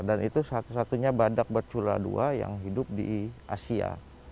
dan itu satu satunya badak bercula dua yang hidup di asia